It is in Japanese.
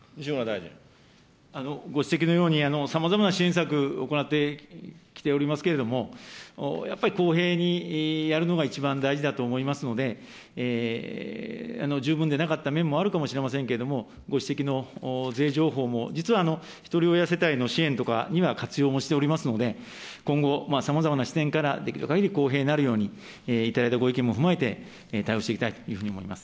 ご指摘のように、さまざまな支援策、行ってきておりますけれども、やっぱり公平にやるのが一番大事だと思いますので、十分でなかった面もあるかもしれませんけれども、ご指摘の税情報も、実はひとり親世帯の支援とかには活用もしておりますので、今後、さまざまな視点からできるかぎり公平になるように、頂いたご意見も踏まえて、対応していきたいというふうに思います。